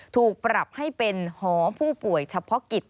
ถูกปรับให้เป็นหอผู้ป่วยเฉพาะกิจ